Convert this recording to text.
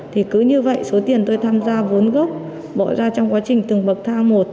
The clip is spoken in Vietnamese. thì cứ như vậy số tiền tôi tham gia vốn gốc bỏ ra trong quá trình từng bậc thang một